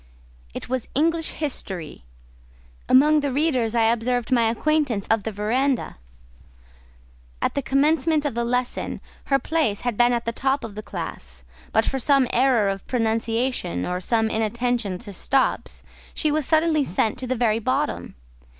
It was English history: among the readers I observed my acquaintance of the verandah: at the commencement of the lesson, her place had been at the top of the class, but for some error of pronunciation, or some inattention to stops, she was suddenly sent to the very bottom.